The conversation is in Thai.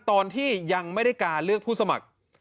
ตอนที่ยังไม่ได้การเลือกผู้สมัคร